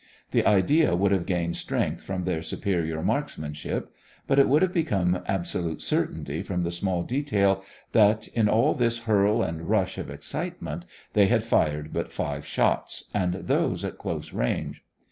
The idea would have gained strength from their superior marksmanship; but it would have become absolute certainty from the small detail that, in all this hurl and rush of excitement, they had fired but five shots, and those at close range.